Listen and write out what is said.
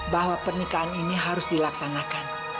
bahwa pernikahan ini harus dilaksanakan